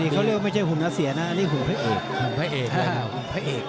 นี่รู้ไม่ชื่อหุ่นนาเซียนะนี่หุ่นพระเอก